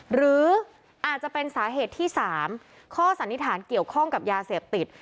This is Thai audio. หรืออาจจะเป็นสาเหตุที่๓ข้อสันนิษฐานเกี่ยวข้องกับยาเสพติด